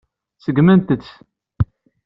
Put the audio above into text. Ṣeggment-tt.